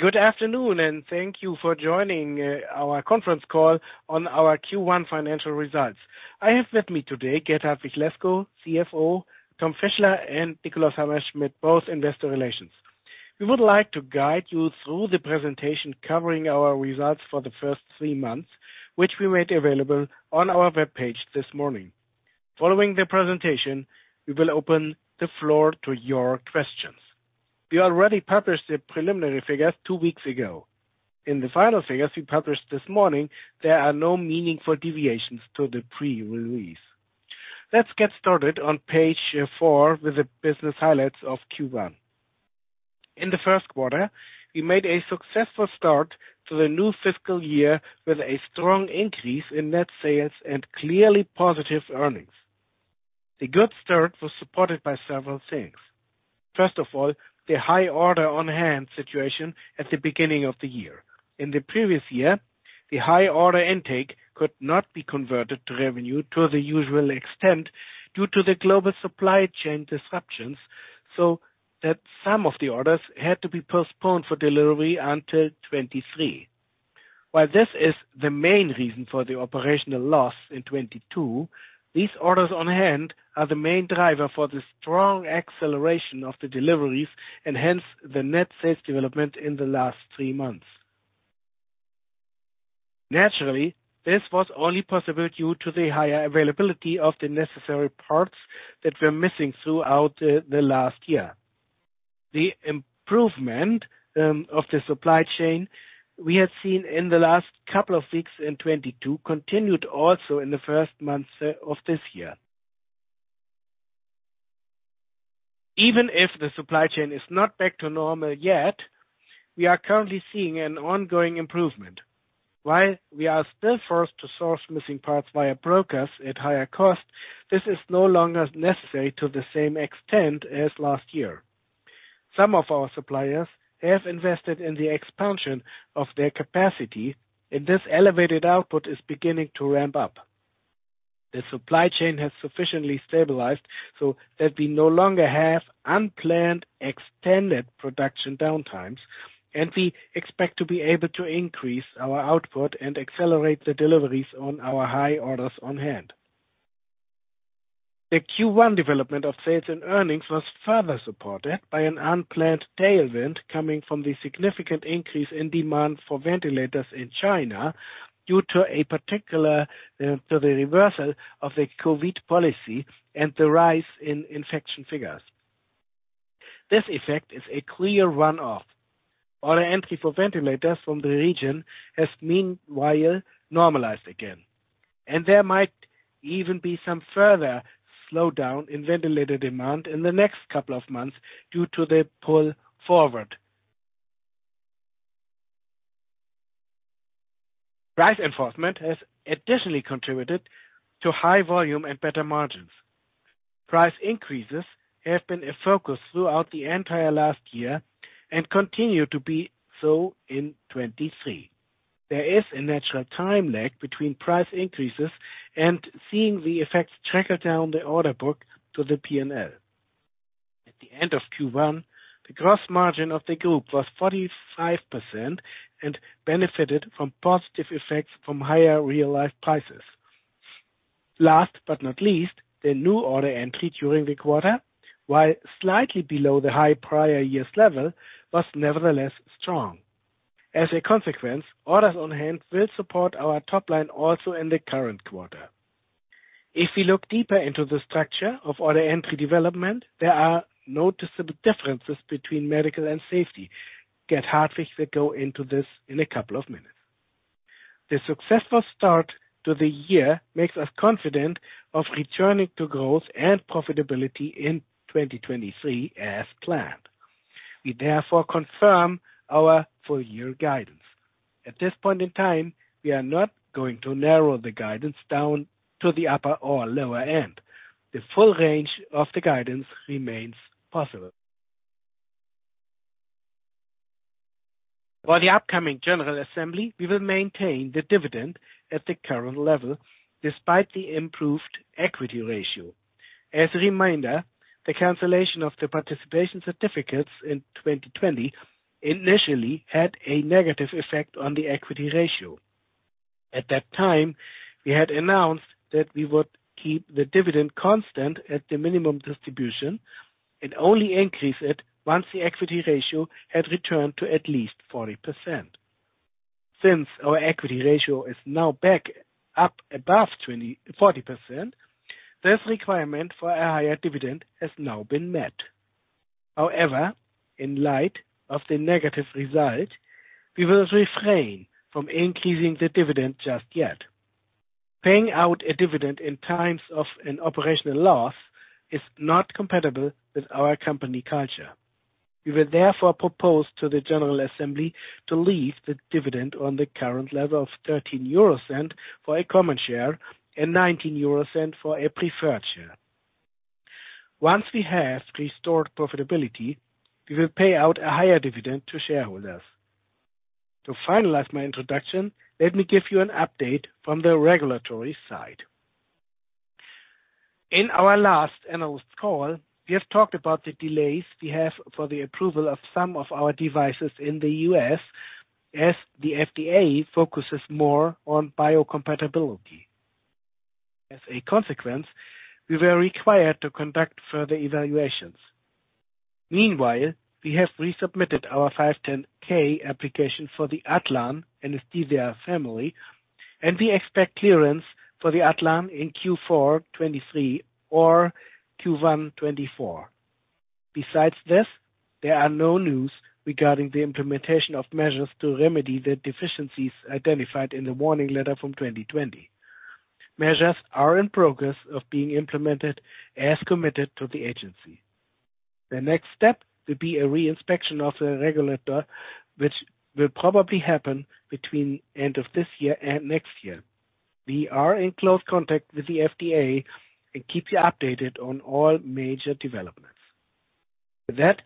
Good afternoon and thank you for joining our conference call on our Q1 financial results. I have with me today Gert-Hartwig Lescow, CFO, Thomas Fischler, and Nikolaus Hammerschmidt, both investor relations. We would like to guide you through the presentation covering our results for the first three months, which we made available on our webpage this morning. Following the presentation, we will open the floor to your questions. We already published the preliminary figures two weeks ago. In the final figures we published this morning, there are no meaningful deviations to the pre-release. Let's get started on page four with the business highlights of Q1. In the first quarter, we made a successful start to the new fiscal year with a strong increase in net sales and clearly positive earnings. The good start was supported by several things. First of all, the high order on hand situation at the beginning of the year. In the previous year, the high order intake could not be converted to revenue to the usual extent due to the global supply chain disruptions, so that some of the orders had to be postponed for delivery until 2023. While this is the main reason for the operational loss in 2022, these orders on hand are the main driver for the strong acceleration of the deliveries and hence the net sales development in the last three months. Naturally, this was only possible due to the higher availability of the necessary parts that were missing throughout the last year. The improvement of the supply chain we have seen in the last couple of weeks in 2022 continued also in the first months of this year. Even if the supply chain is not back to normal yet, we are currently seeing an ongoing improvement. While we are still forced to source missing parts via brokers at higher cost, this is no longer necessary to the same extent as last year. Some of our suppliers have invested in the expansion of their capacity, and this elevated output is beginning to ramp up. The supply chain has sufficiently stabilized so that we no longer have unplanned, extended production downtimes, and we expect to be able to increase our output and accelerate the deliveries on our high orders on hand. The Q1 development of sales and earnings was further supported by an unplanned tailwind coming from the significant increase in demand for ventilators in China due to the reversal of the COVID policy and the rise in infection figures. This effect is a clear run-off. Order entry for ventilators from the region has meanwhile normalized again, and there might even be some further slowdown in ventilator demand in the next couple of months due to the pull forward. Price enforcement has additionally contributed to high volume and better margins. Price increases have been a focus throughout the entire last year and continue to be so in 2023. There is a natural time lag between price increases and seeing the effects trickle down the order book to the P&L. At the end of Q1, the gross margin of the group was 45% and benefited from positive effects from higher real life prices. Last but not least, the new order entry during the quarter, while slightly below the high prior year's level, was nevertheless strong. As a consequence, orders on hand will support our top line also in the current quarter. If we look deeper into the structure of order entry development, there are noticeable differences between Medical and Safety. Gert-Hartwig Lescow will go into this in a couple of minutes. The successful start to the year makes us confident of returning to growth and profitability in 2023 as planned. We therefore confirm our full year guidance. At this point in time, we are not going to narrow the guidance down to the upper or lower end. The full range of the guidance remains possible. For the upcoming general assembly, we will maintain the dividend at the current level despite the improved equity ratio. As a reminder, the cancellation of the participation certificates in 2020 initially had a negative effect on the equity ratio. At that time, we had announced that we would keep the dividend constant at the minimum distribution and only increase it once the equity ratio had returned to at least 40%. Since our equity ratio is now back up above 40%, this requirement for a higher dividend has now been met. In light of the negative result, we will refrain from increasing the dividend just yet. Paying out a dividend in times of an operational loss is not compatible with our company culture. We will therefore propose to the general assembly to leave the dividend on the current level of 0.13 for a common share and 0.19 for a preferred share. Once we have restored profitability, we will pay out a higher dividend to shareholders. To finalize my introduction, let me give you an update from the regulatory side. In our last analyst call, we have talked about the delays we have for the approval of some of our devices in the U.S. as the FDA focuses more on biocompatibility. We were required to conduct further evaluations. Meanwhile, we have resubmitted our 510(k) application for the Atlan anesthesia family. We expect clearance for the Atlan in Q4 2023 or Q1 2024. Besides this, there are no news regarding the implementation of measures to remedy the deficiencies identified in the warning letter from 2020. Measures are in progress of being implemented as committed to the agency. The next step will be a re-inspection of the regulator, which will probably happen between end of this year and next year. We are in close contact with the FDA and keep you updated on all major developments. With that,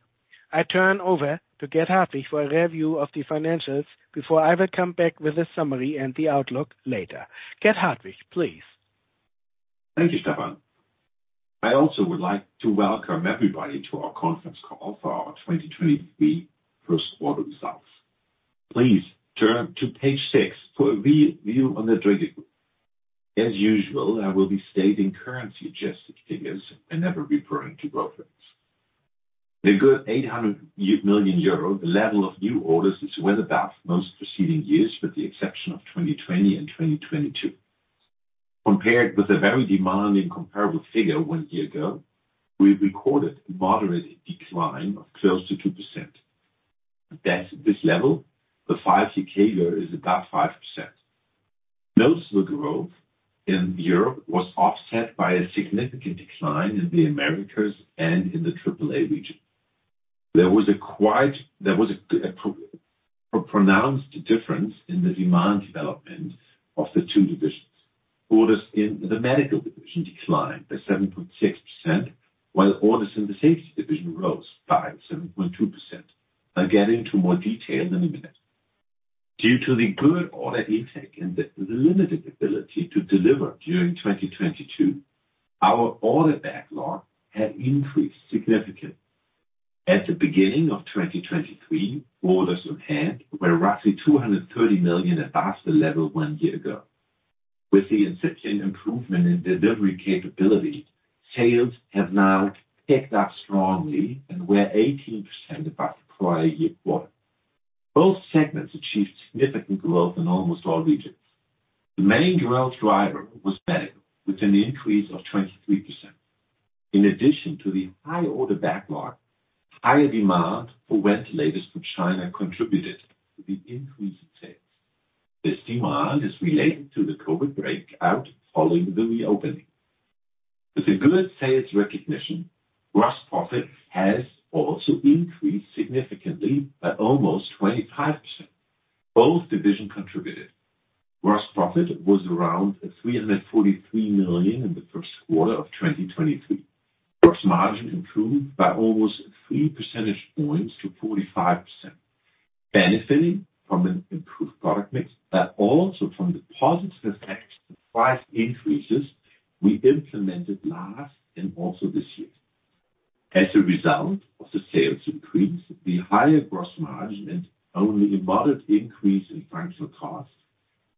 I turn over to Gert Hartwig for a review of the financials before I will come back with a summary and the outlook later. Gert Hartwig, please. Thank you, Stefan. I also would like to welcome everybody to our conference call for our 2023 first quarter results. Please turn to page six for a review on the Dräger Group. As usual, I will be stating currency-adjusted figures and never referring to profits. The good 800 million euro, the level of new orders is well above most preceding years, with the exception of 2020 and 2022. Compared with a very demanding comparable figure one year ago, we recorded a moderate decline of close to 2%. That's this level. The five-year CAGR is about 5%. Most of the growth in Europe was offset by a significant decline in the Americas and in the AAA region. There was a pronounced difference in the demand development of the two divisions. Orders in the Medical declined by 7.6%, while orders in the Safety rose by 7.2%. I'll get into more detail in a minute. Due to the good order intake and the limited ability to deliver during 2022, our order backlog had increased significantly. At the beginning of 2023, orders on hand were roughly 230 million above the level one year ago. With the incipient improvement in delivery capability, sales have now picked up strongly and were 18% above the prior year quarter. Both segments achieved significant growth in almost all regions. The main growth driver was Medical, with an increase of 23%. In addition to the high order backlog, higher demand for ventilators from China contributed to the increase in sales. This demand is related to the COVID breakout following the reopening. With a good sales recognition, gross profit has also increased significantly by almost 25%. Both divisions contributed. Gross profit was around 343 million in the first quarter of 2023. Gross margin improved by almost three percentage points to 45%, benefiting from an improved product mix, but also from the positive effect of the price increases we implemented last and also this year. As a result of the sales increase, the higher gross margin and only a moderate increase in functional costs,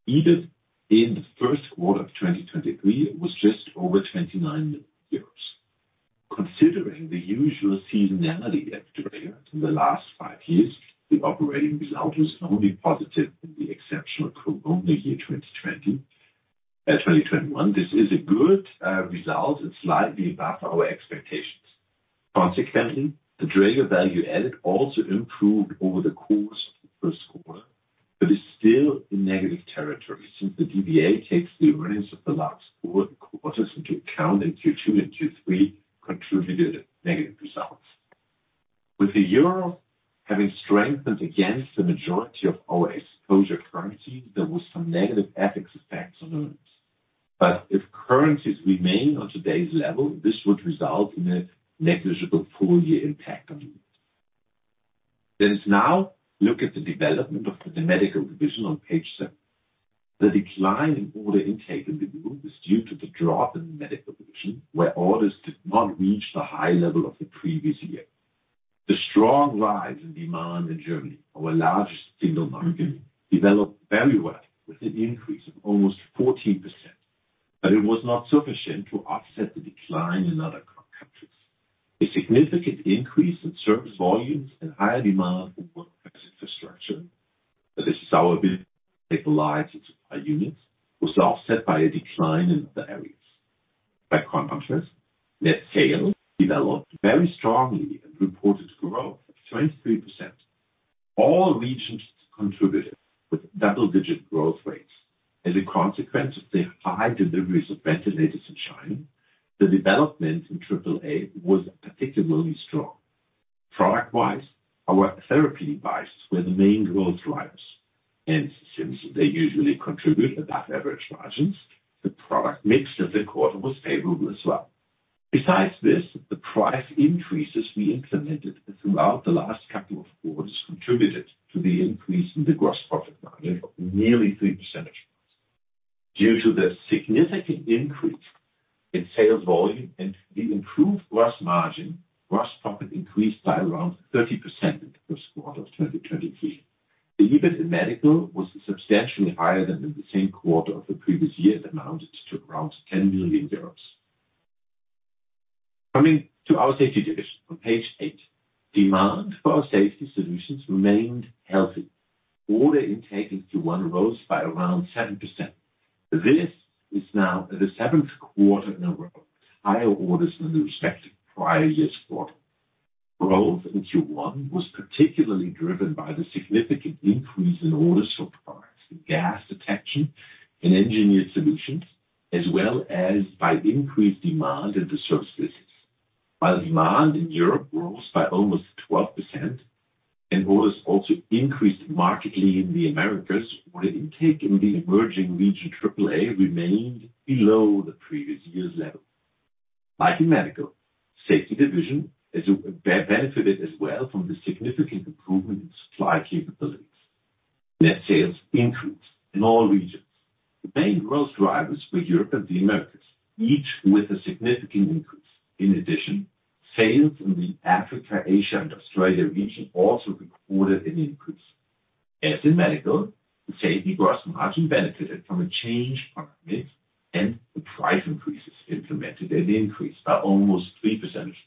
EBIT in the first quarter of 2023 was just over 29 million euros. Considering the usual seasonality at Dräger in the last five years, the operating result was only positive in the exceptional COVID year 2020, 2021. This is a good result. It's slightly above our expectations. Consequently, the Dräger Value Added also improved over the course of the first quarter, but is still in negative territory since the DVA takes the earnings of the last four quarters into account, and Q2 and Q3 contributed negative results. With the euro having strengthened against the majority of our exposure currencies, there was some negative FX effects on earnings. If currencies remain on today's level, this would result in a negligible full-year impact on earnings. Let's now look at the development of the Medical division on page seven. The decline in order intake in the group is due to the drop in Medical division, where orders did not reach the high level of the previous year. The strong rise in demand in Germany, our largest single market, developed very well with an increase of almost 14%, but it was not sufficient to offset the decline in other countries. A significant increase in service volumes and higher demand for Workplace Infrastructure, that is our ability to stabilize the supply units, was offset by a decline in other areas. Net sales developed very strongly and reported growth of 23%. All regions contributed with double-digit growth rates. As a consequence of the high deliveries of ventilators in China, the development in AAA was particularly strong. Product-wise, our therapy devices were the main growth drivers, and since they usually contribute above average margins, the product mix of the quarter was favorable as well. The price increases we implemented throughout the last couple of quarters contributed to the increase in the gross profit margin of nearly three percentage points. Due to the significant increase in sales volume and the improved gross margin, gross profit increased by around 30% in the first quarter of 2023. The EBIT in Medical was substantially higher than in the same quarter of the previous year, it amounted to around 10 million euros. Coming to our Safety division on page 8. Demand for our safety solutions remained healthy. Order intake into Q1 rose by around 7%. This is now the 7th quarter in a row, higher orders than the respective prior year's quarter. Growth in Q1 was particularly driven by the significant increase in orders for products in gas detection and Engineered Solutions, as well as by increased demand in the services. While demand in Europe rose by almost 12% and orders also increased markedly in the Americas, order intake in the emerging region AAA remained below the previous year's level. Like in Medical, Safety division has benefited as well from the significant improvement in supply capabilities. Net sales increased in all regions. The main growth drivers were Europe and the Americas, each with a significant increase. Sales in the Africa, Asia, and Australia region also recorded an increase. As in Medical, the Safety gross margin benefited from a change from mix and the price increases implemented and increased by almost three percentage points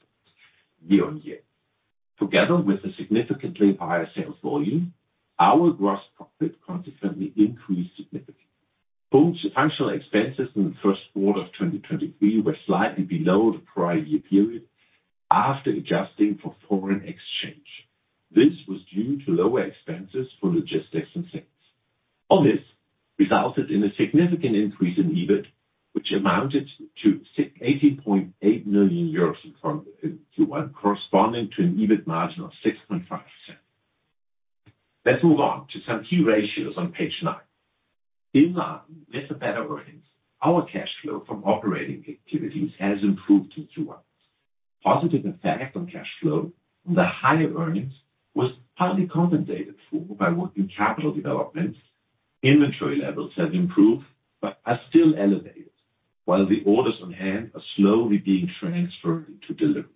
year-on-year. Together with the significantly higher sales volume, our gross profit consequently increased significantly. Both functional expenses in the first quarter of 2023 were slightly below the prior year period after adjusting for foreign exchange. This was due to lower expenses for logistics and sales. All this resulted in a significant increase in EBIT, which amounted to 80.8 million euros from Q1, corresponding to an EBIT margin of 6.5%. Let's move on to some key ratios on page nine. In line with the better earnings, our cash flow from operating activities has improved in Q1. Positive effect on cash flow from the higher earnings was partly compensated for by working capital developments. Inventory levels have improved but are still elevated, while the orders on hand are slowly being transferred into deliveries.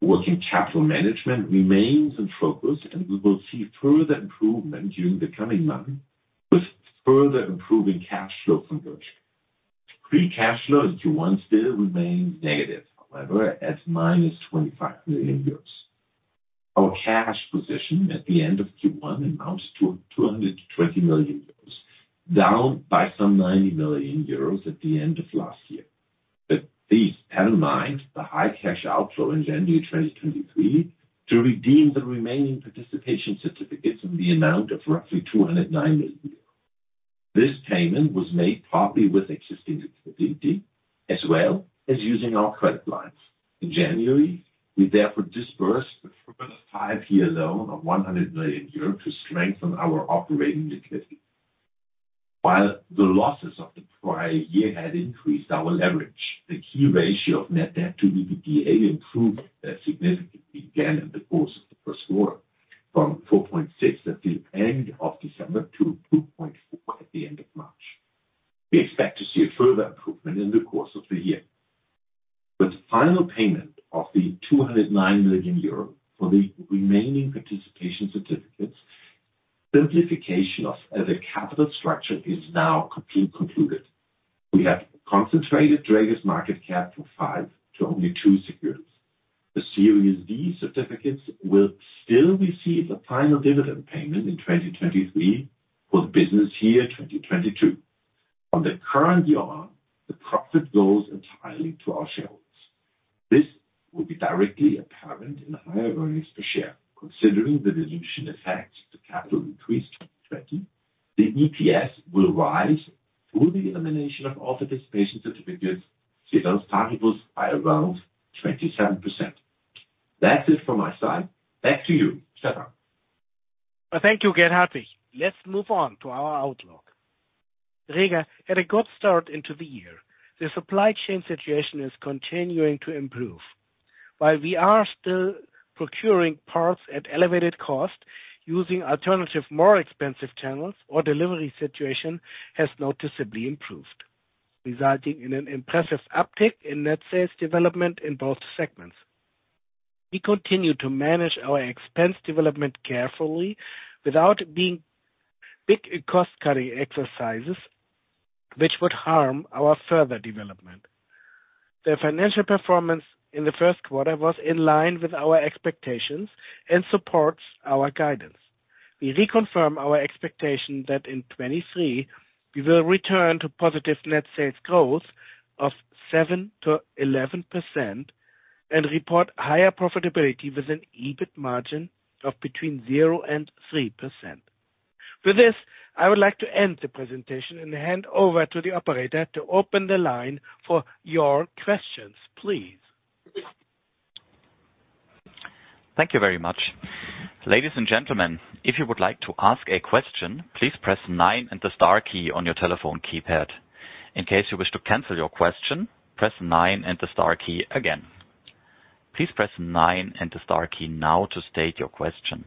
Working capital management remains in focus. We will see further improvement during the coming months with further improving cash flow conversion. Free cash flow in Q1 still remains negative, however, at minus 25 million euros. Our cash position at the end of Q1 amounts to 220 million euros, down by some 90 million euros at the end of last year. Please have in mind the high cash outflow in January 2023 to redeem the remaining participation certificates in the amount of roughly 209 million euros. This payment was made partly with existing liquidity as well as using our credit lines. In January, we therefore disbursed a further five-year loan of 100 million euros to strengthen our operating liquidity. While the losses of the prior year had increased our leverage, the key ratio of net debt to EBITDA improved significantly again in the course of the first quarter from 4.6 at the end of December to 2.4 at the end of March. We expect to see a further improvement in the course of the year. With the final payment of 209 million euro for the remaining participation certificates, simplification of the capital structure is now concluded. We have concentrated Dräger's market cap from five to only two securities. The Series D certificates will still receive a final dividend payment in 2023 for the business year 2022. From the current year on, the profit goes entirely to our shareholders. This will be directly apparent in higher earnings per share. Considering the dilution effect of the capital increase in 2020, the EPS will rise through the elimination of all participation certificates, see those titles by around 27%. That's it from my side. Back to you, Stefan. Thank you, Gert-Hartwig. Let's move on to our outlook. Dräger had a good start into the year. The supply chain situation is continuing to improve. While we are still procuring parts at elevated cost using alternative more expensive channels, our delivery situation has noticeably improved, resulting in an impressive uptick in net sales development in both segments. We continue to manage our expense development carefully without being big cost-cutting exercises which would harm our further development. The financial performance in the first quarter was in line with our expectations and supports our guidance. We reconfirm our expectation that in 2023 we will return to positive net sales growth of 7%-11% and report higher profitability with an EBIT margin of between 0% and 3%. With this, I would like to end the presentation and hand over to the operator to open the line for your questions, please. Thank you very much. Ladies and gentlemen, if you would like to ask a question, please press nine and the star key on your telephone keypad. In case you wish to cancel your question, press nine and the star key again. Please press nine and the star key now to state your question.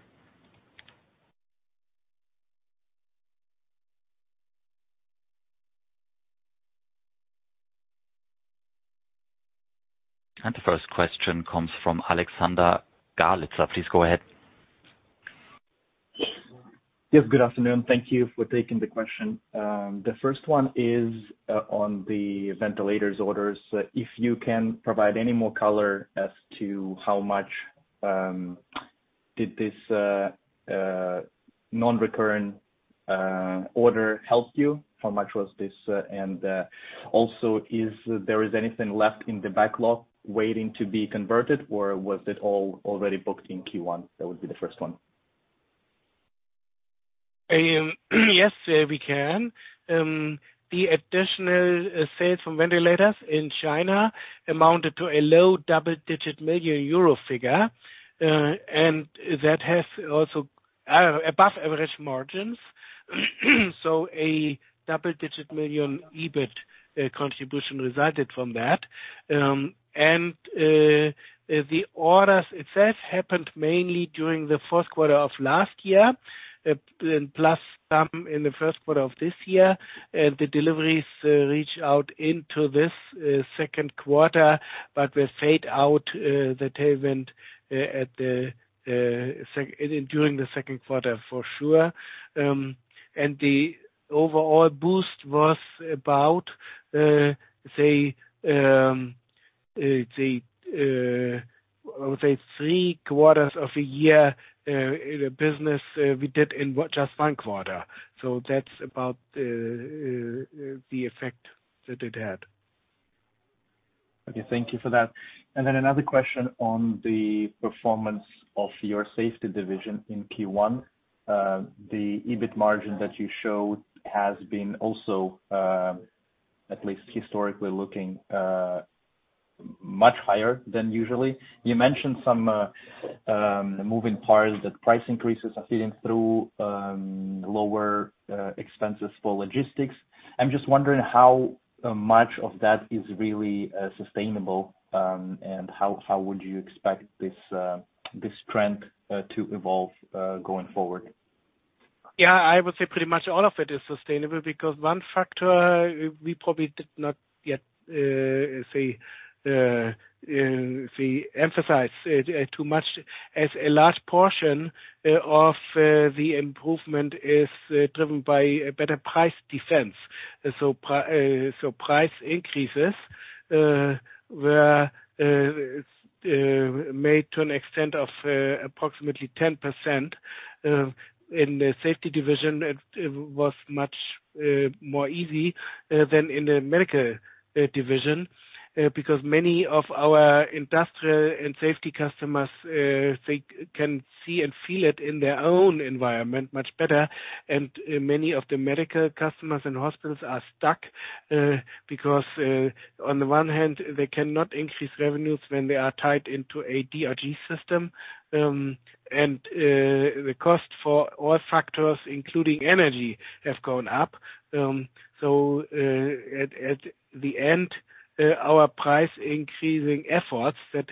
The first question comes from Alexander Galitsa. Please go ahead. Yes. Good afternoon. Thank you for taking the question. The first one is on the ventilators orders. If you can provide any more color as to how much did this non-recurrent order help you, how much was this? Also is there anything left in the backlog waiting to be converted, or was it all already booked in Q1? That would be the first one. Yes, we can. The additional sales from ventilators in China amounted to a low double-digit million euro figure. That has also above average margins. A double-digit million EBIT contribution resulted from that. The orders itself happened mainly during the fourth quarter of last year and plus some in the first quarter of this year. The deliveries reach out into this second quarter, but will fade out that they went at the during the second quarter for sure. The overall boost was about say I would say three quarters of a year in the business we did in what? Just one quarter. That's about the effect that it had. Okay, thank you for that. Another question on the performance of your Safety Division in Q1. The EBIT margin that you showed has been also, at least historically looking, much higher than usually. You mentioned some moving parts that price increases are feeding through, lower expenses for logistics. I'm just wondering how much of that is really sustainable, and how would you expect this trend to evolve going forward? Yeah, I would say pretty much all of it is sustainable because one factor we probably did not yet say, emphasize too much as a large portion of the improvement is driven by a better price defense. Price increases were made to an extent of approximately 10% in the Safety division. It was much more easy than in the Medical division because many of our industrial and Safety customers, they can see and feel it in their own environment much better. Many of the Medical customers and hospitals are stuck because, on the one hand, they cannot increase revenues when they are tied into a DRG system. The cost for all factors, including energy, have gone up. At the end, our price increasing efforts that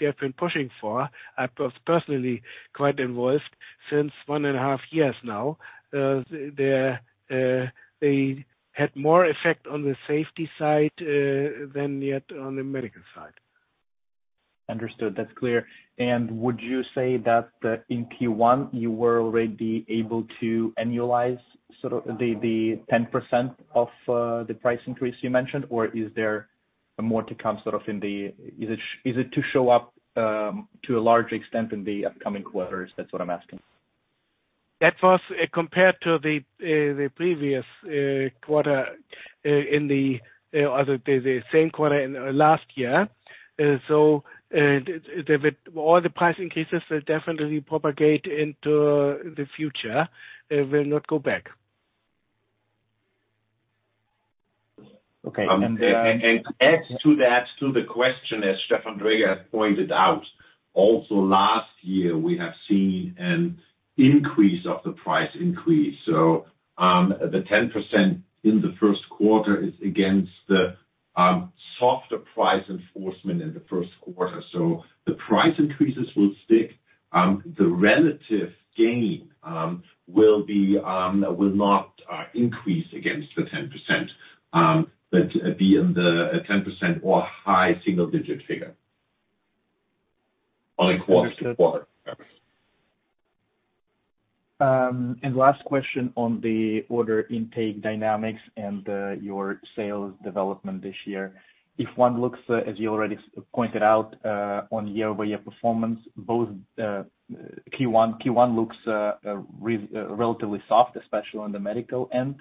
we have been pushing for, I personally quite involved since one and a half years now. They're, they had more effect on the Safety side than yet on the Medical side. Understood. That's clear. Would you say that in Q1 you were already able to annualize sort of the 10% of the price increase you mentioned? Or is there more to come? Is it to show up to a large extent in the upcoming quarters? That's what I'm asking. That was compared to the previous quarter, in the other, the same quarter in last year. With all the price increases will definitely propagate into the future, will not go back. Okay. To add to that, to the question, as Stefan Dräger has pointed out, also last year, we have seen an increase of the price increase. The 10% in the first quarter is against the softer price enforcement in the first quarter. The price increases will stick. The relative gain will be will not increase against the 10%, but be in the 10% or high single-digit figure on a quarter-to-quarter. Understood. Last question on the order intake dynamics, your sales development this year. If one looks, as you already pointed out, on year-over-year performance, both Q1 looks relatively soft, especially on the medical end.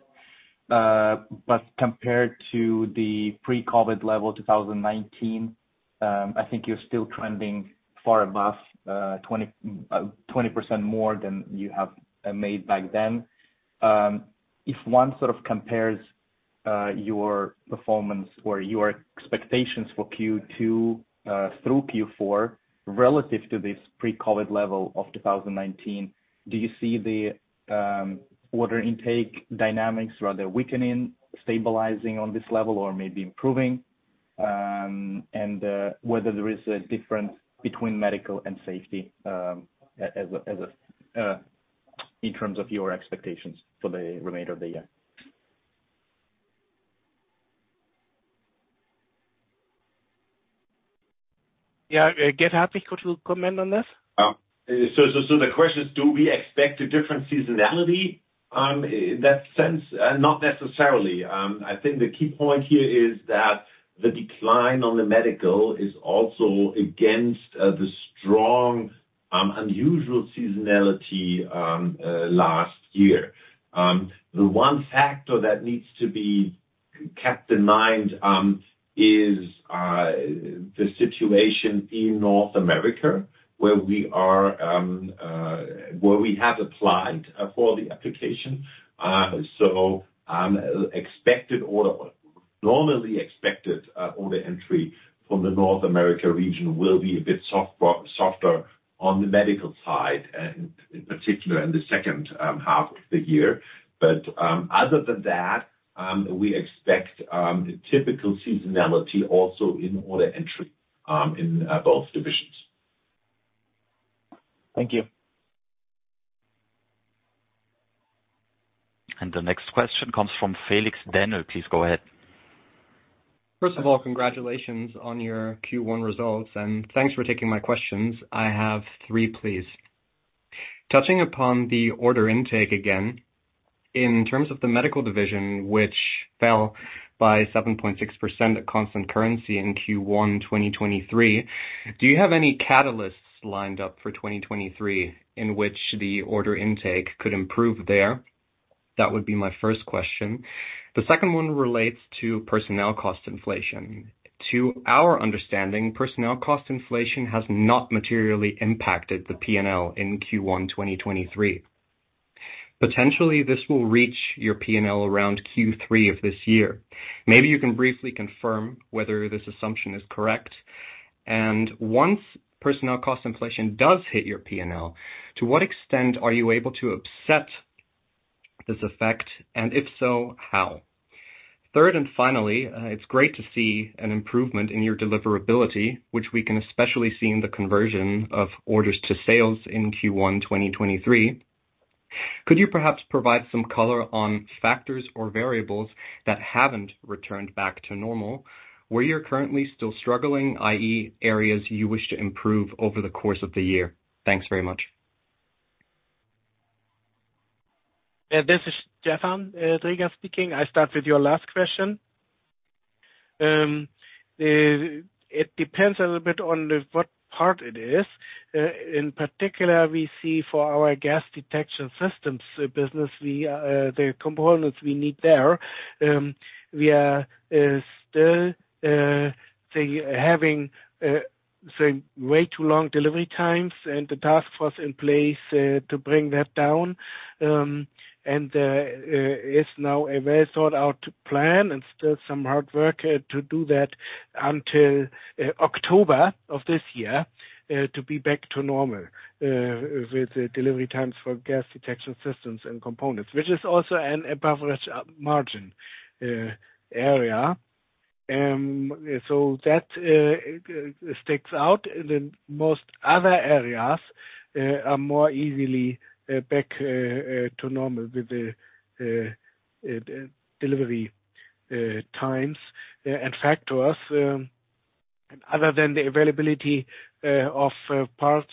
But compared to the pre-COVID level, 2019, I think you're still trending far above 20% more than you have made back then. If one sort of compares your performance or your expectations for Q2 through Q4 relative to this pre-COVID level of 2019. Do you see the order intake dynamics rather weakening, stabilizing on this level or maybe improving? Whether there is a difference between medical and safety in terms of your expectations for the remainder of the year. Yeah. Gert-Hartwig Lescow could you comment on that? The question is, do we expect a different seasonality in that sense? Not necessarily. I think the key point here is that the decline on the Medical is also against the strong unusual seasonality last year. The one factor that needs to be kept in mind is the situation in North America, where we are where we have applied for the application. Normally expected order entry from the North America region will be a bit softer on the Medical side, and in particular in the second half of the year. Other than that, we expect a typical seasonality also in order entry in both divisions. Thank you. The next question comes from Felix Dennl. Please go ahead. First of all, congratulations on your Q1 results, thanks for taking my questions. I have three, please. Touching upon the order intake again, in terms of the Medical division, which fell by 7.6% at constant currency in Q1 2023, do you have any catalysts lined up for 2023 in which the order intake could improve there? That would be my first question. The second one relates to personnel cost inflation. To our understanding, personnel cost inflation has not materially impacted the P&L in Q1 2023. Potentially, this will reach your P&L around Q3 of this year. Maybe you can briefly confirm whether this assumption is correct. Once personnel cost inflation does hit your P&L, to what extent are you able to offset this effect, and if so, how? Third and finally, it's great to see an improvement in your deliverability, which we can especially see in the conversion of orders to sales in Q1 2023. Could you perhaps provide some color on factors or variables that haven't returned back to normal? Where you're currently still struggling, i.e., areas you wish to improve over the course of the year? Thanks very much. Yeah, this is Stefan Dräger speaking. I start with your last question. It depends a little bit on what part it is. In particular, we see for our gas detection systems business, we the components we need there, we are still having way too long delivery times, and the task force in place to bring that down. It's now a well-thought-out plan and still some hard work to do that until October of this year to be back to normal with the delivery times for gas detection systems and components, which is also an above average margin area. That sticks out. In most other areas are more easily back to normal with the delivery times. Factors other than the availability of parts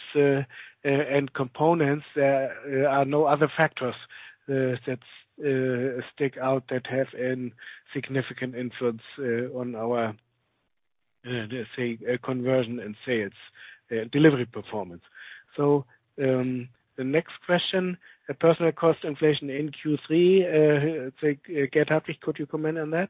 and components are no other factors that stick out that have any significant influence on our conversion and sales delivery performance. The next question, the personnel cost inflation in Q3, Gert-Hartwig, could you comment on that?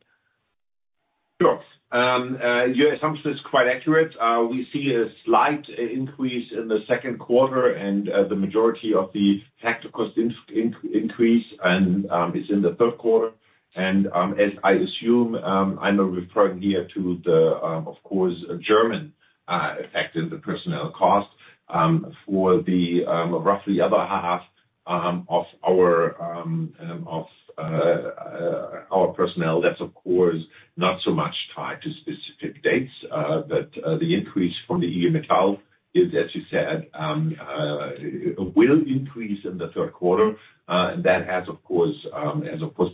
Sure. Your assumption is quite accurate. We see a slight increase in the second quarter and the majority of the factor cost increase is in the third quarter. As I assume, I'm referring here to the of course, German effect in the personnel cost for the roughly other half of our personnel. That's of course, not so much tied to specific dates, but the increase from the IG Metall is, as you said, will increase in the third quarter. That has of course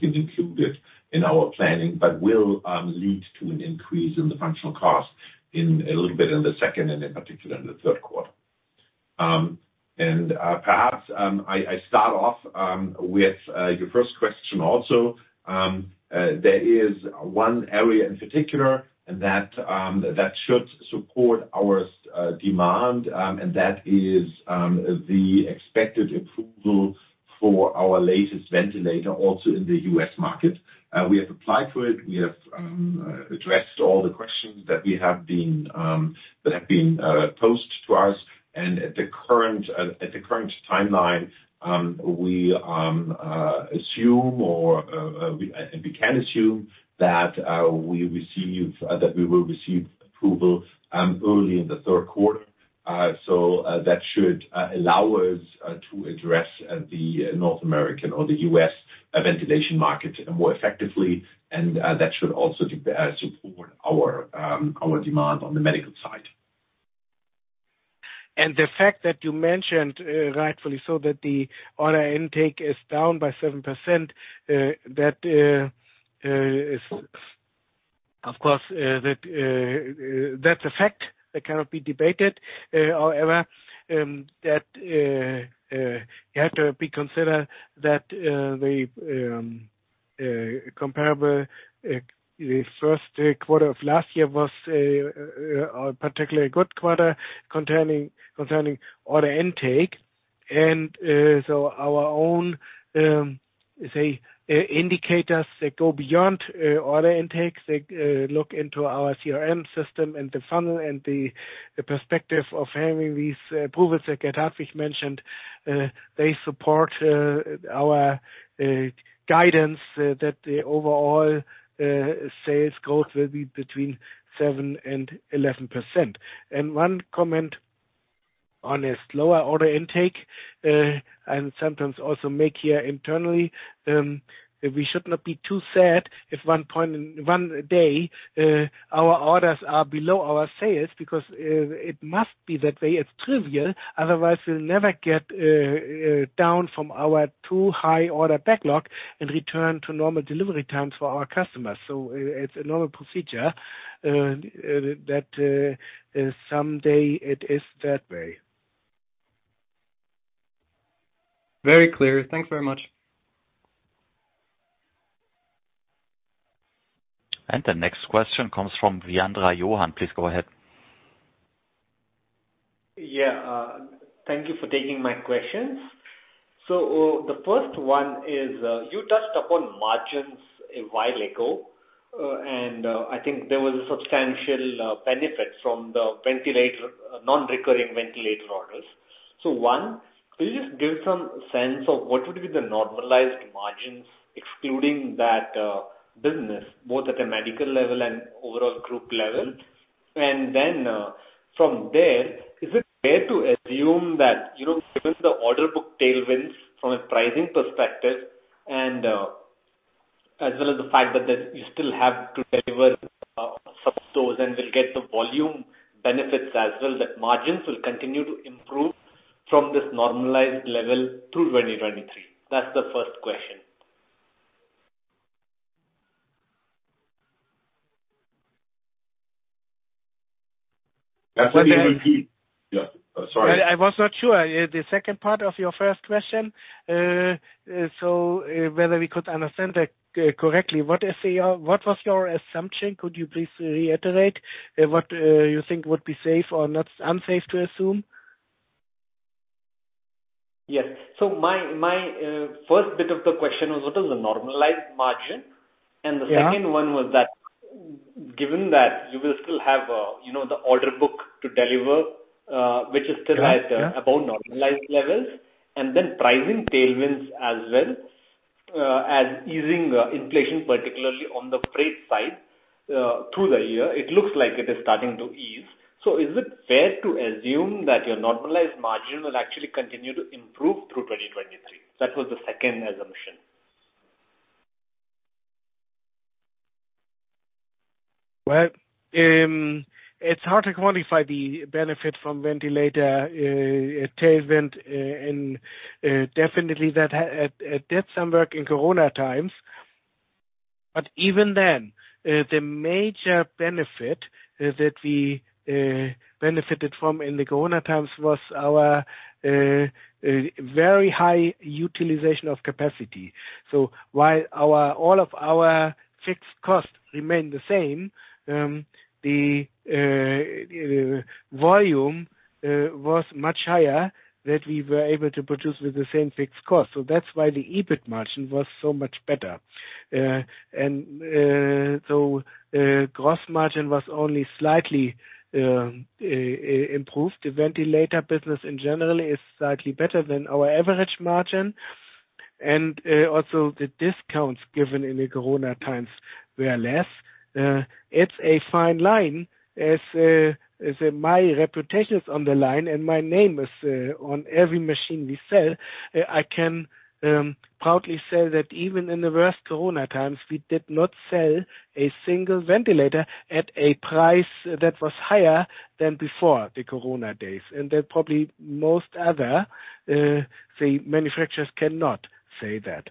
been included in our planning, but will lead to an increase in the functional cost in a little bit in the second and in particular in the third quarter. Perhaps, I start off with your first question also. There is one area in particular and that should support our demand, and that is the expected approval for our latest ventilator also in the U.S. market. We have applied for it. We have addressed all the questions that we have been that have been posed to us. At the current timeline, we assume or we, and we can assume that we will receive approval early in the third quarter. That should allow us to address the North American or the U.S. ventilation market more effectively, and that should also support our demand on the Medical side. The fact that you mentioned, rightfully so, that the order intake is down by 7%, that is, of course, that's a fact that cannot be debated. However, you have to consider that the comparable, the first quarter of last year was a particularly good quarter containing, concerning order intake. Our own, say, indicators, they go beyond order intakes. They look into our CRM system and the funnel and the perspective of having these approvals that Gert-Hartwig Lescow mentioned, they support our guidance that the overall sales growth will be between 7% and 11%. One comment on a slower order intake, and sometimes also make here internally, that we should not be too sad if one day our orders are below our sales because it must be that way. It's trivial. Otherwise, we'll never get down from our too high order backlog and return to normal delivery times for our customers. It's a normal procedure that someday it is that way. Very clear. Thanks very much. The next question comes from Virendra Chauhan. Please go ahead. Yeah. Thank you for taking my questions. The first one is, you touched upon margins a while ago, and I think there was a substantial benefit from the non-recurring ventilator orders. One, could you just give some sense of what would be the normalized margins excluding that business, both at a Medical level and overall Group level? From there, is it fair to assume that, you know, given the order book tailwinds from a pricing perspective as well as the fact that you still have to deliver some of those and will get the volume benefits as well, that margins will continue to improve from this normalized level through 2023? That's the first question. That's a good repeat. Yeah. Sorry. I was not sure, the second part of your first question, whether we could understand that correctly. What was your assumption? Could you please reiterate what you think would be safe or unsafe to assume? Yes. My first bit of the question was what was the normalized margin? Yeah. The second one was that given that you will still have, you know, the order book to deliver. Yeah, yeah. which is still at, above normalized levels, and then pricing tailwinds as well, as easing, inflation, particularly on the freight side, through the year. It looks like it is starting to ease. Is it fair to assume that your normalized margin will actually continue to improve through 2023? That was the second assumption. Well, it's hard to quantify the benefit from ventilator tailwind. Definitely that did some work in COVID times. Even then, the major benefit is that we benefited from in the COVID times was our very high utilization of capacity. While all of our fixed costs remain the same, the volume was much higher that we were able to produce with the same fixed cost. That's why the EBIT margin was so much better. Gross margin was only slightly improved. The ventilator business in general is slightly better than our average margin. Also the discounts given in the COVID times were less. It's a fine line as my reputation is on the line, and my name is on every machine we sell. I can proudly say that even in the worst COVID times, we did not sell a single ventilator at a price that was higher than before the COVID days. Probably most other, say, manufacturers cannot say that.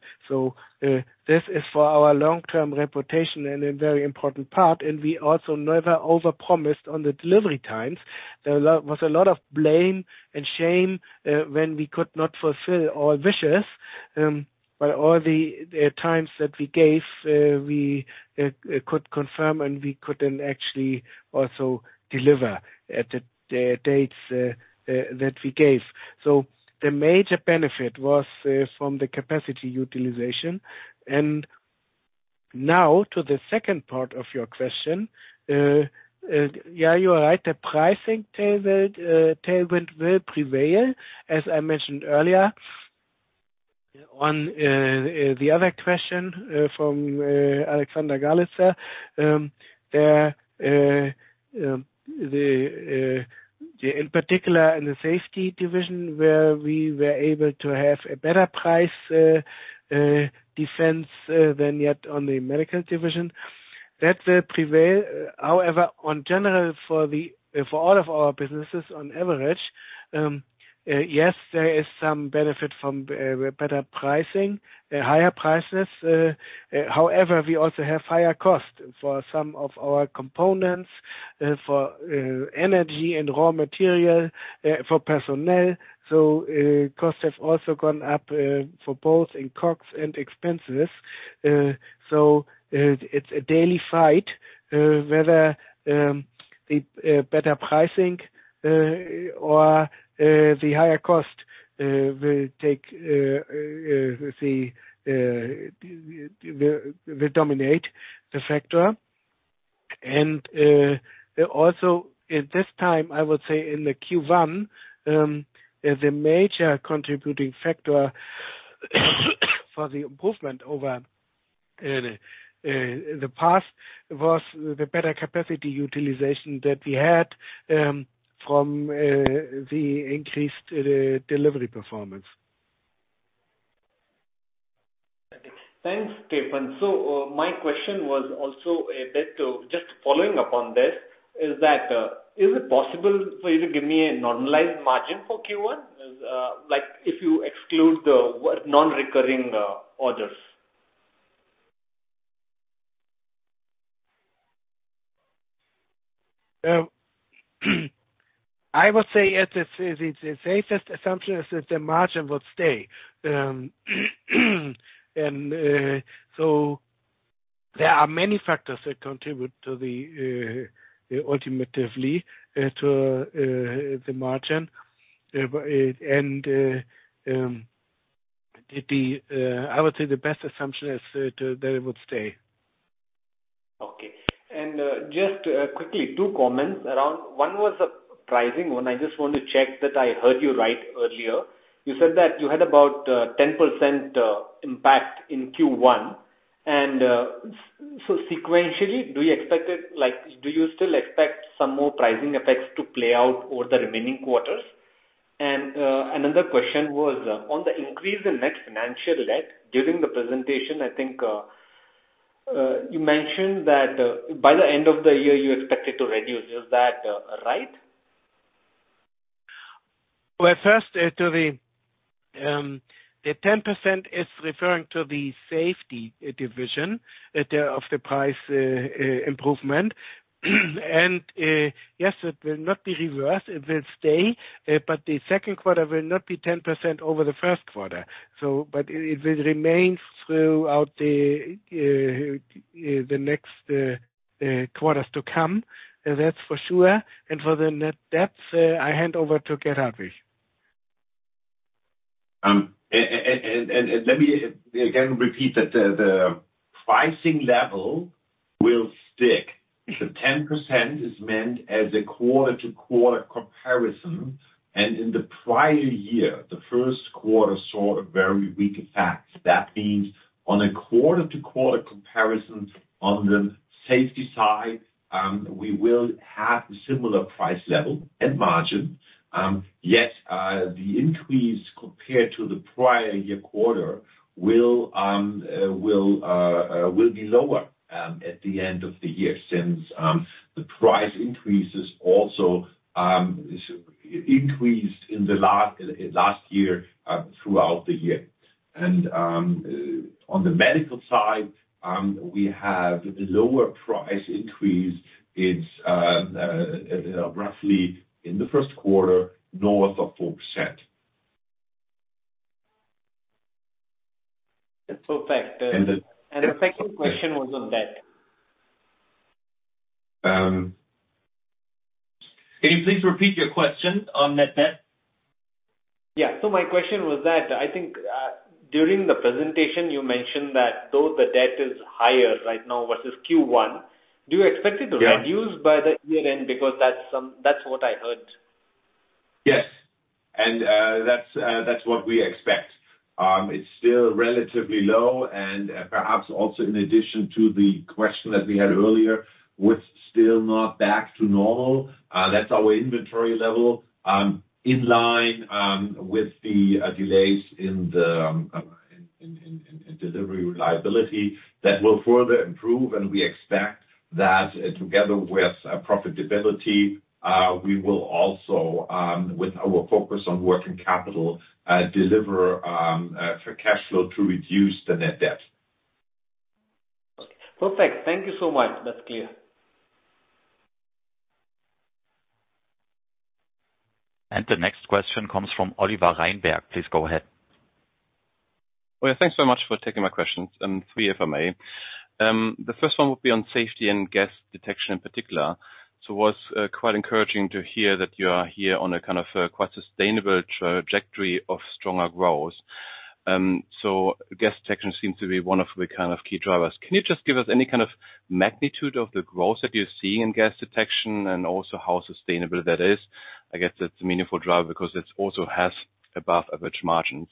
This is for our long-term reputation and a very important part. We also never overpromised on the delivery times. There was a lot of blame and shame when we could not fulfill all wishes. All the times that we gave, we could confirm, and we couldn't actually also deliver at the dates that we gave. The major benefit was from the capacity utilization. Now to the second part of your question. Yeah, you are right. The pricing tailwind will prevail, as I mentioned earlier. The other question from Alexander Galitsa, in particular in the Safety division, where we were able to have a better price defense than yet on the Medical division, that will prevail. On general for all of our businesses on average, yes, there is some benefit from better pricing, higher prices. We also have higher costs for some of our components, for energy and raw material, for personnel. Costs have also gone up for both in COGS and expenses. It's a daily fight, whether the better pricing, or the higher cost, will take, the, will dominate the factor. Also at this time, I would say in the Q1, the major contributing factor for the improvement over the past was the better capacity utilization that we had, from the increased delivery performance. Thanks, Stefan. My question was also a bit, just following up on this. Is it possible for you to give me a normalized margin for Q1, like if you exclude the non-recurring orders? I would say, yes, it's the safest assumption is that the margin will stay. There are many factors that contribute to the ultimately to the margin. The I would say the best assumption is that it will stay. Okay. Just quickly, two comments around. One was the pricing one. I just want to check that I heard you right earlier. You said that you had about 10% impact in Q1 and so sequentially, do you expect it? Like, do you still expect some more pricing effects to play out over the remaining quarters? Another question was on the increase in net financial debt. During the presentation I think you mentioned that by the end of the year, you expect it to reduce. Is that right? Well, first to the 10% is referring to the Safety division, there of the price improvement. Yes, it will not be reversed, it will stay, but the second quarter will not be 10% over the first quarter. It will remain throughout the next quarters to come. That's for sure. For the net debt, I hand over to Gert-Hartwig Lescow. Let me again repeat that the pricing level will stick. The 10% is meant as a quarter-to-quarter comparison. In the prior year, the first quarter saw a very weak effect. That means on a quarter-to-quarter comparison on the Safety side, we will have a similar price level and margin. Yet, the increase compared to the prior year quarter will be lower at the end of the year, since the price increases also increased in the last year throughout the year. On the Medical side, we have lower price increase. It's roughly in the first quarter, north of 4%. Perfect. And the- The second question was on debt. Can you please repeat your question on net debt? Yeah. My question was that I think, during the presentation you mentioned that though the debt is higher right now versus Q1, do you expect it? Yeah. reduce by the year-end? Because that's what I heard. Yes. That's what we expect. It's still relatively low and perhaps also in addition to the question that we had earlier, with still not back to normal, that's our inventory level, in line with the delays in the delivery reliability that will further improve. We expect that together with profitability, we will also with our focus on working capital, deliver for cash flow to reduce the net debt. Perfect. Thank you so much. That's clear. The next question comes from Oliver Reinberg. Please go ahead. Well, thanks very much for taking my questions, three if I may. The first one would be on Safety and Gas Detection in particular. It was, quite encouraging to hear that you are here on a kind of a quite sustainable trajectory of stronger growth. Gas detection seems to be one of the kind of key drivers. Can you just give us any kind of magnitude of the growth that you're seeing in gas detection and also how sustainable that is? I guess it's a meaningful driver because it also has above-average margins.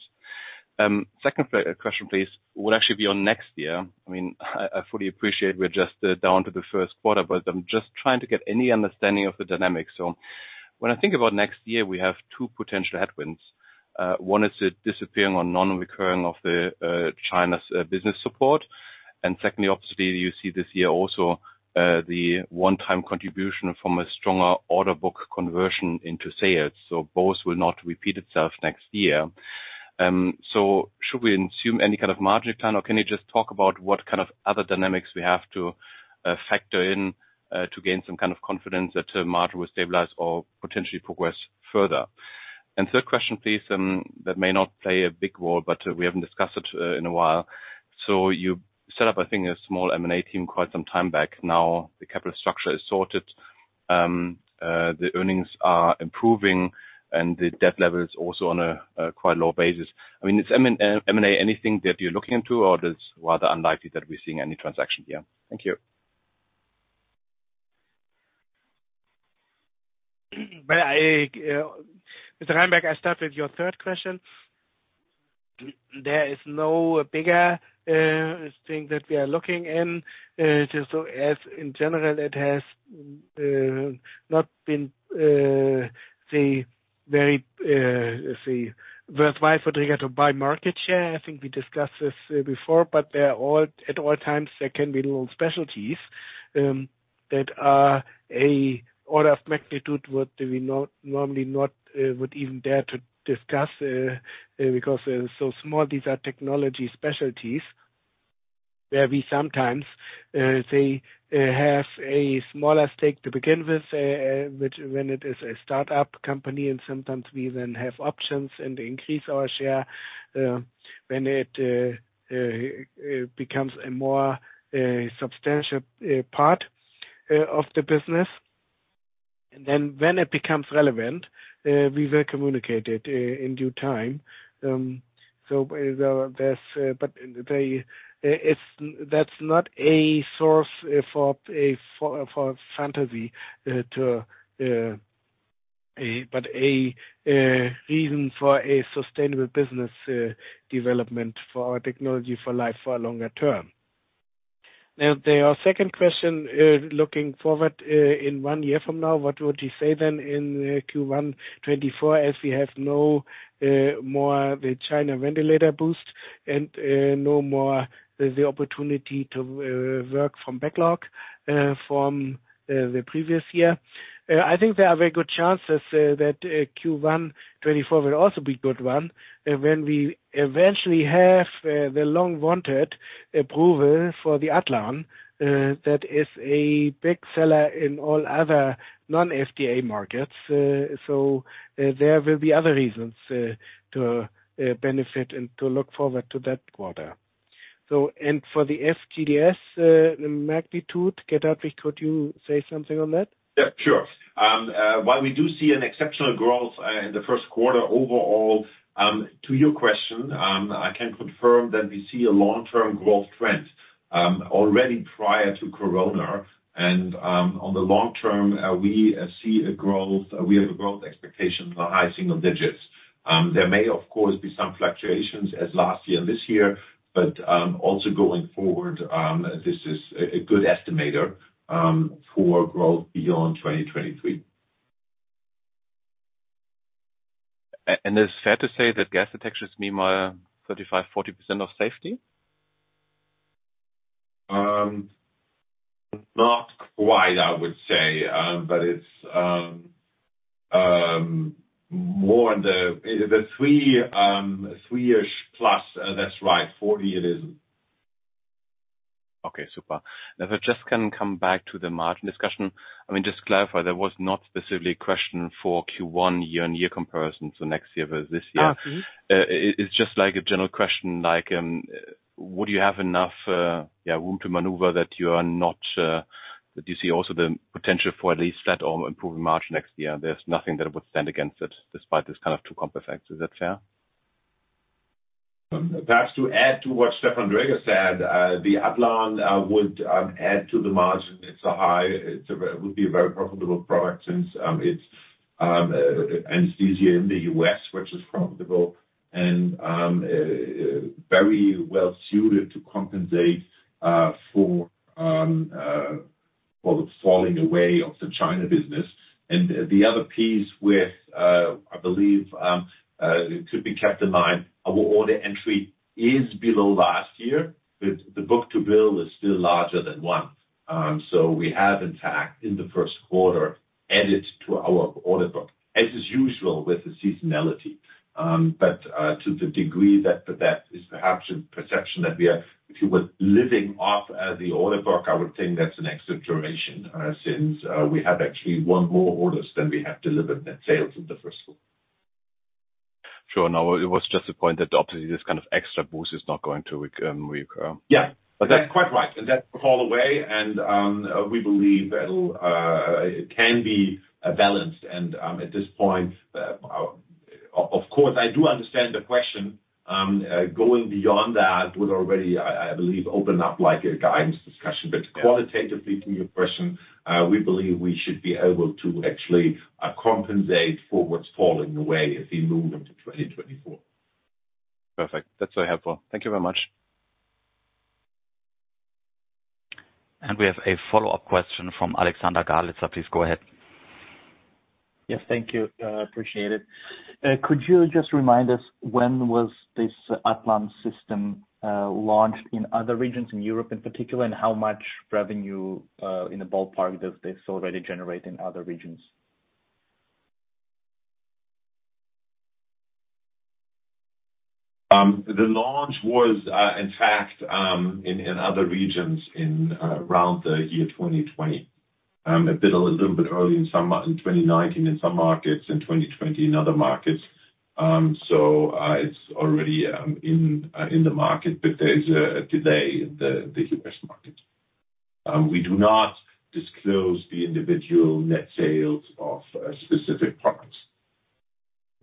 Second question please, would actually be on next year. I mean, I fully appreciate we're just, down to the first quarter, but I'm just trying to get any understanding of the dynamics. When I think about next year, we have two potential headwinds. One is the disappearing or non-recurring of the China's business support, and secondly, obviously, you see this year also the one-time contribution from a stronger order book conversion into sales. Both will not repeat itself next year. Should we assume any kind of margin plan, or can you just talk about what kind of other dynamics we have to factor in to gain some kind of confidence that the margin will stabilize or potentially progress further? Third question, please, that may not play a big role, but we haven't discussed it in a while. You set up, I think, a small M&A team quite some time back. Now, the capital structure is sorted, the earnings are improving and the debt level is also on a quite low basis. I mean, is M&A anything that you're looking into or it is rather unlikely that we're seeing any transaction here? Thank you. I, Mr. Reinberg, I start with your third question. There is no bigger thing that we are looking in. It is so as in general, it has not been the very, let's say, worthwhile for Dräger to buy market share. I think we discussed this before, at all times there can be little specialties that are a order of magnitude what we normally not would even dare to discuss because they're so small. These are technology specialties where we sometimes say have a smaller stake to begin with, which when it is a start-up company and sometimes we then have options and increase our share when it becomes a more substantial part of the business. When it becomes relevant, we will communicate it in due time. That's not a source for a, for fantasy, to, but a reason for a sustainable business development for our technology for life for a longer term. The second question, looking forward, in one year from now, what would you say then in Q1 2024 as we have no more the China ventilator boost and no more the opportunity to work from backlog from the previous year? I think there are very good chances that Q1 2024 will also be good one. When we eventually have the long-wanted approval for the Atlan, that is a big seller in all other non-FDA markets. There will be other reasons to benefit and to look forward to that quarter. For the FTEs magnitude, Gert-Hartwig, could you say something on that? Yeah, sure. while we do see an exceptional growth in the first quarter overall, to your question, I can confirm that we see a long-term growth trend already prior to Corona. On the long term, we see a growth, we have a growth expectation for high single digits. There may, of course, be some fluctuations as last year and this year, but also going forward, this is a good estimator for growth beyond 2023. Is it fair to say that gas detection is meanwhile 35%-40% of Safety? Not quite, I would say. It's more in the 3-ish+. That's right, 40 it isn't. Okay, super. If I just can come back to the margin discussion. I mean, just to clarify, that was not specifically a question for Q1 year-on-year comparison, so next year versus this year. Mm-hmm. It's just a general question, would you have enough room to maneuver that you are not, that you see also the potential for at least flat or improving margin next year? There's nothing that would stand against it despite this kind of two comp effect. Is that fair? Perhaps to add to what Stefan Dräger said, the Atlan would add to the margin. It would be a very profitable product since it's anesthesia in the U.S., which is profitable and very well suited to compensate for the falling away of the China business. The other piece with, I believe, it could be kept in mind, our order entry is below last year, but the book-to-bill is still larger than one. We have in fact, in the first quarter, added to our order book, as is usual with the seasonality. To the degree that that is perhaps a perception that we are, if you were living off, the order book, I would think that's an extrapolation, since we have actually won more orders than we have delivered net sales in the first quarter. Sure. No, it was just a point that obviously this kind of extra boost is not going to reoccur. Yeah. That's quite right. That fall away and, we believe that'll, it can be balanced and, at this point, of course, I do understand the question, going beyond that would already, I believe, open up like a guidance discussion. Qualitatively to your question, we believe we should be able to actually compensate for what's falling away as we move into 2024. Perfect. That's very helpful. Thank you very much. We have a follow-up question from Alexander Galitsa. Please go ahead. Yes, thank you. Appreciate it. Could you just remind us when was this Atlan system launched in other regions, in Europe in particular, and how much revenue in the ballpark does this already generate in other regions? The launch was in fact in other regions around the year 2020. A bit, a little bit early in 2019 in some markets, in 2020 in other markets. It's already in the market, but there is a delay in the U.S. market. We do not disclose the individual net sales of specific products.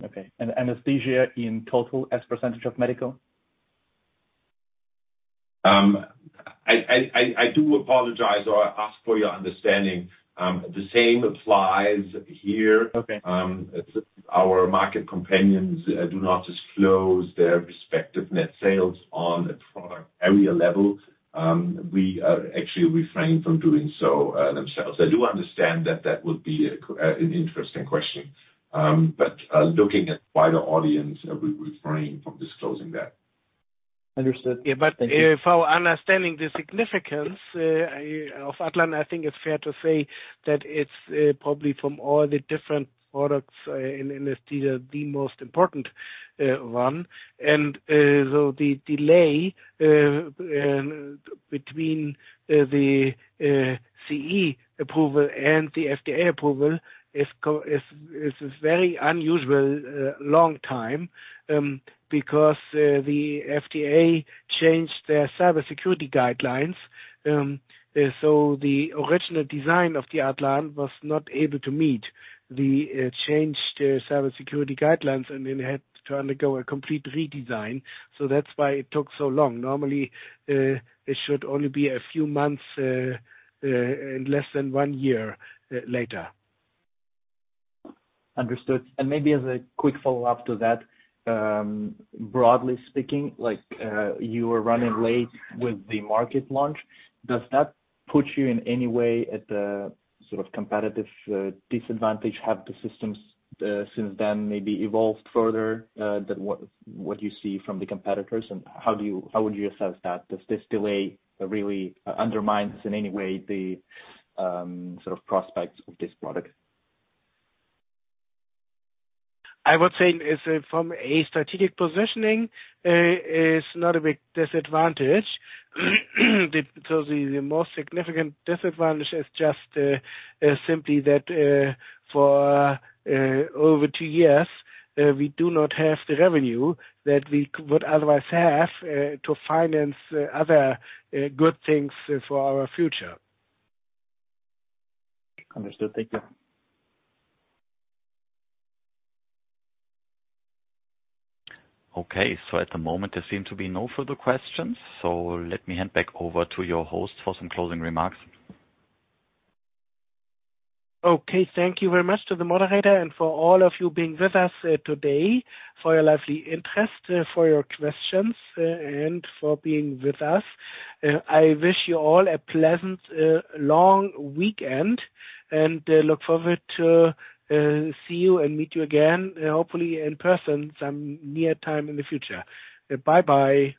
Okay. Anesthesia in total as percentage of Medical? I do apologize, or I ask for your understanding. The same applies here. Okay. Our market companions do not disclose their respective net sales on a product area level. We actually refrain from doing so themselves. I do understand that that would be an interesting question. Looking at wider audience, we refrain from disclosing that. Understood. Thank you. Yeah. If our understanding the significance of Atlan, I think it's fair to say that it's probably from all the different products in anesthesia, the most important one. The delay between the CE marking and the FDA approval is very unusual long time because the FDA changed their cybersecurity guidelines. The original design of the Atlan was not able to meet the changed cybersecurity guidelines and it had to undergo a complete redesign. That's why it took so long. Normally, it should only be a few months and less than 1 year later. Understood. Maybe as a quick follow-up to that, broadly speaking, like, you were running late with the market launch. Does that put you in any way at a sort of competitive disadvantage? Have the systems since then maybe evolved further than what you see from the competitors? How would you assess that? Does this delay really undermines in any way the sort of prospects of this product? I would say is from a strategic positioning, is not a big disadvantage. The most significant disadvantage is just, simply that, for over two years, we do not have the revenue that we would otherwise have, to finance other good things for our future. Understood. Thank you. Okay. At the moment, there seem to be no further questions, so let me hand back over to your host for some closing remarks. Okay. Thank you very much to the moderator and for all of you being with us today, for your lively interest, for your questions, and for being with us. I wish you all a pleasant, long weekend, and look forward to see you and meet you again, hopefully in person some near time in the future. Bye-bye.